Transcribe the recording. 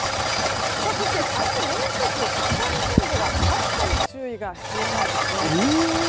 そして、明日もう１つ北日本では暑さに注意が必要なんです。